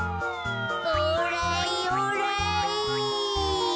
オーライオーライ。